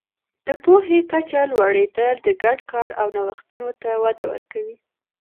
د پوهې کچه لوړېدل د ګډ کار او نوښتونو ته وده ورکوي.